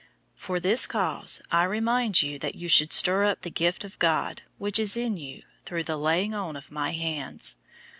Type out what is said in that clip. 001:006 For this cause, I remind you that you should stir up the gift of God which is in you through the laying on of my hands.